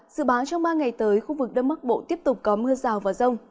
dự báo trong ba ngày tới khu vực đông bắc bộ tiếp tục có mưa rào và rông